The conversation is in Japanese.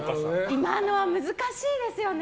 今のは難しいですね。